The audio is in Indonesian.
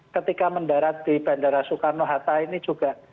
ketika mendarat di bandara soekarno hatta ini juga